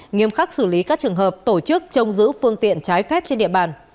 nghiêm khắc xử lý các trường hợp tổ chức trông giữ phương tiện trái phép trên địa bàn